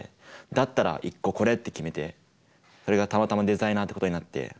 だったら一個これって決めてそれがたまたまデザイナーってことになって。